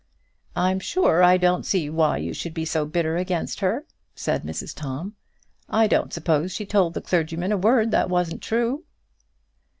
"I'm sure I don't see why you should be so bitter against her," said Mrs Tom. "I don't suppose she told the clergyman a word that wasn't true."